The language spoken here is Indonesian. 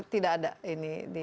tidak ada ini di